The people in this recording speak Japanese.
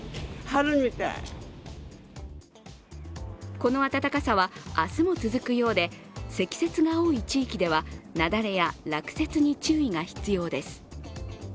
この暖かさは明日も続くようで積雪が多い地域ではなだれや落雪に注意が必要です。